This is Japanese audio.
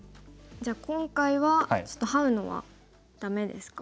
じゃあ今回はちょっとハウのはダメですか？